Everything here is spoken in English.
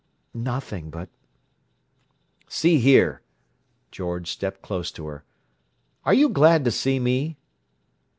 "Nothing. But—" "See here!" George stepped close to her. "Are you glad to see me?"